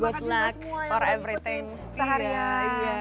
makasih semua yang berkutip seharian